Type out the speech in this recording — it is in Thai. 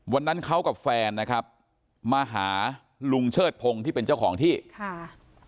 วันนั้นเขากับแฟนนะครับมาหาลุงเชิดพงศ์ที่เป็นเจ้าของที่ค่ะ